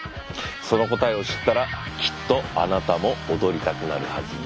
その答えを知ったらきっとあなたも踊りたくなるはずです。